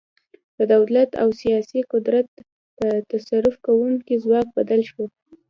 د دولت او سیاسي قدرت په تصرف کوونکي ځواک بدل شو.